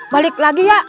balik lagi ya